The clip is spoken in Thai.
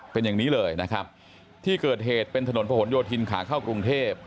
เป็นอย่างนี้เลยนะครับที่เกิดเหตุเป็นถนนผนโยธินขาเข้ากรุงเทพ